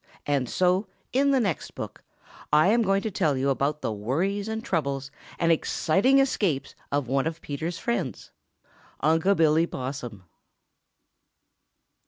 And so, in the next book, I am going to tell you about the worries and troubles and exciting escapes of one of Peter's friends Unc' Billy Possum.